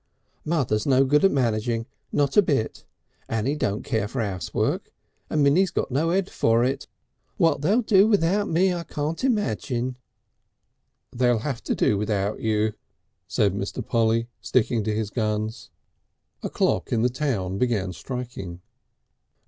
"Mother's no good at managing not a bit. Annie don't care for 'ouse work and Minnie's got no 'ed for it. What they'll do without me I can't imagine." "They'll have to do without you," said Mr. Polly, sticking to his guns. A clock in the town began striking.